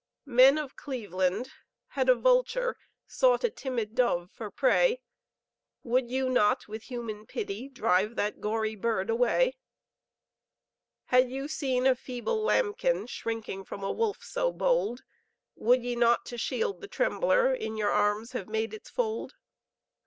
Men of Cleveland, had a vulture Sought a timid dove for prey, Would you not, with human pity, Drive the gory bird away? Had you seen a feeble lambkin, Shrinking from a wolf so bold, Would ye not to shield the trembler, In your arms have made its fold?